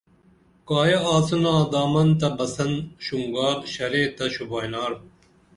کایہ آڅِنا دامن تہ بسن شُونگار شرے تہ شوبائنار